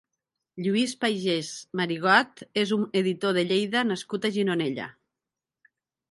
Lluís Pagès Marigot és un editor de Lleida nascut a Gironella.